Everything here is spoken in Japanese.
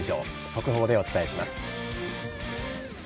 速報でお伝えします。